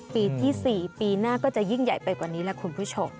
ปีที่๔ปีหน้าก็จะยิ่งใหญ่ไปกว่านี้แหละคุณผู้ชม